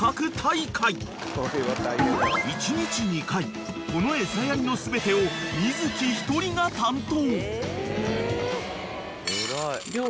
［１日２回この餌やりの全てを瑞喜１人が担当］